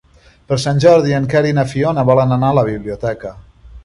Per Sant Jordi en Quer i na Fiona volen anar a la biblioteca.